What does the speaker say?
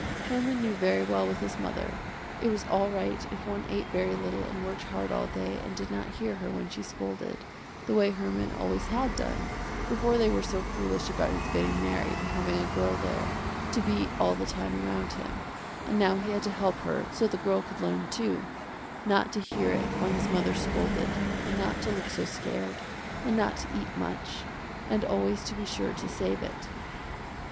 Herman knew very well with his mother, it was all right if one ate very little and worked hard all day and did not hear her when she scolded, the way Herman always had done before they were so foolish about his getting married and having a girl there to be all the time around him, and now he had to help her so the girl could learn too, not to hear it when his mother scolded, and not to look so scared, and not to eat much, and always to be sure to save it.